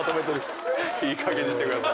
いいかげんにしてください。